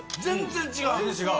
全然違う！